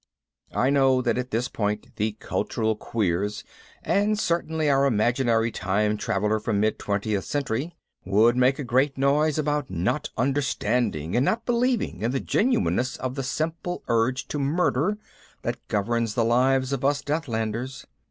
I know that at this point the cultural queers (and certainly our imaginary time traveler from mid Twentieth Century) would make a great noise about not understanding and not believing in the genuineness of the simple urge to murder that governs the lives of us Deathlanders.